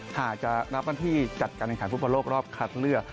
หากจะรับการที่จัดการแข่งขันฟุตประโลกรอบคลัดเรือ